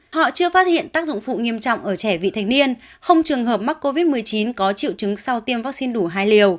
họ chưa phát hiện tác dụng phụ nghiêm trọng ở trẻ vị thành niên không trường hợp mắc covid một mươi chín có triệu chứng sau tiêm vaccine đủ hai liều